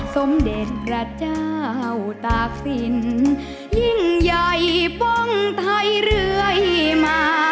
รุ่นดนตร์บุรีนามีดังใบปุ่ม